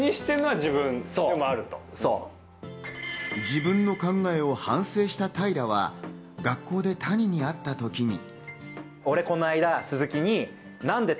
自分の考えを反省した平は、学校で谷に会った時に。